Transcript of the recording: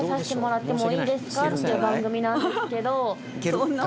いう番組なんですけど。